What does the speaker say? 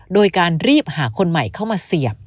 โดยการรีบหาคนใหม่เข้ามาเสียบ